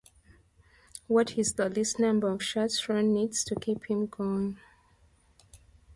What is the least number of shirts Ron needs to keep him going?